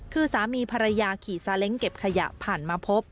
คือสามีภรรยาขี่ซาเล้งเก็บขยะผ่านมาพบ